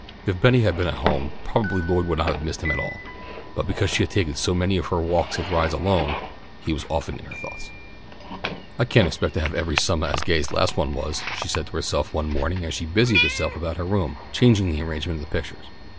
If Betty had been at home probably Lloyd would not have missed him at all, but because she had to take so many of her walks and rides alone, he was often in her thoughts. "I can't expect to have every summah as gay as last one was," she said to herself one morning, as she busied herself about her room, changing the arrangement of the pictures.